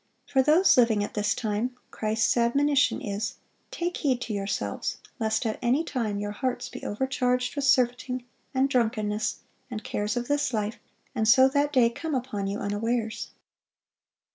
For those living at this time, Christ's admonition is: "Take heed to yourselves, lest at any time your hearts be overcharged with surfeiting, and drunkenness, and cares of this life, and so that day come upon you unawares."